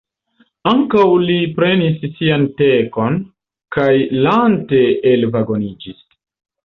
Ankaŭ li prenis sian tekon, kaj lante elvagoniĝis.